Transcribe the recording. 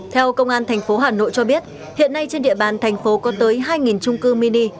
theo công an thành phố hà nội cho biết hiện nay trên địa bàn thành phố có tới hai trung cư mini